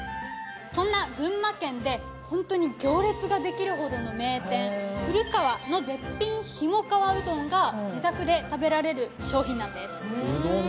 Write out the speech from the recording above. そんな群馬県で、本当に行列ができるほどの名店、ふる川の絶品ひもかわうどんが自宅で食べられるんです。